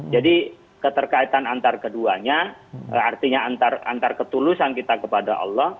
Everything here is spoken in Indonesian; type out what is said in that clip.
jadi keterkaitan antar keduanya artinya antar ketulusan kita kepada allah